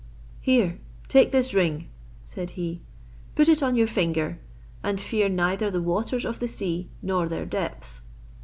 "Here, take this ring," said he, "put it on your finger, and fear neither the waters of the sea, nor their depth."